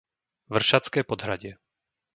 Vršatské Podhradie